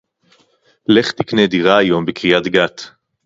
לך תקנה דירה היום בקריית-גת